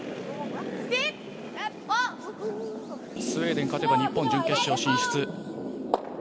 スウェーデン勝てば日本準決勝進出。